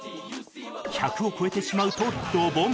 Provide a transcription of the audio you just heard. １００を超えてしまうとドボン